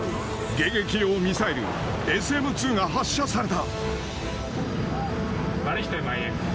迎撃用ミサイル、ＳＭ２が発射された。